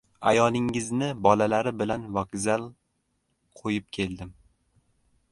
— Ayolingizni bolalari bilan vokzal qo‘yib keldim.